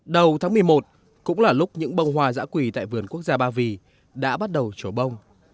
đầu tháng một mươi một cũng là lúc những bông hoa giã quỳ tại vườn quốc gia ba vì đã bắt đầu trổ bông